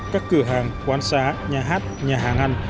các cửa hàng quán xá nhà hát nhà hàng ăn